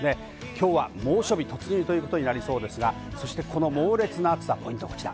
きょうは猛暑日突入ということになりそうですが、そして、この猛烈な暑さ、ポイントはこちら。